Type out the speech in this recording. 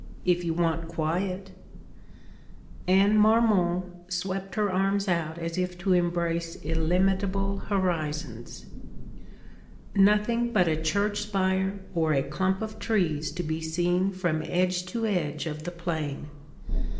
If you want quiet' Anne Marmont swept her arms out as if to embrace illimitable horizons. 'Nothing but a church spire or a clump of trees to be seen from edge to edge of the plain.